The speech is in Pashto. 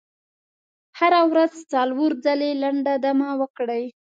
هره ورځ څلور ځلې لنډه دمه وکړئ.